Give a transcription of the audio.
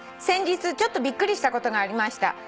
先日ちょっとびっくりしたことがありました。